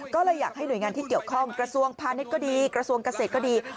ก็เลยอยากให้หน่วยงานที่เกี่ยวข้องกระทรวงพาณิชย์ก็ดีกระทรวงเกษตรก็ดี